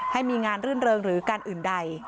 ให้มีงานรื่นเริงหรือการอื่นใด